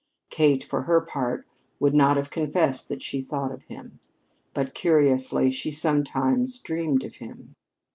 Kate, for her part, would not have confessed that she thought of him. But, curiously, she sometimes dreamed of him.